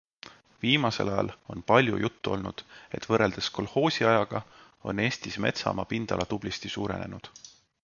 Viimasel ajal on palju juttu olnud, et võrreldes kolhoosiajaga on Eestis metsamaa pindala tublisti suurenenud.